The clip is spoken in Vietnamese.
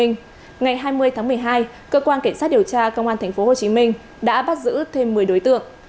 ngày hai mươi tháng một mươi hai cơ quan cảnh sát điều tra công an tp hcm đã bắt giữ thêm một mươi đối tượng